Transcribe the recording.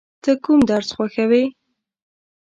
ته کوم درس خوښوې؟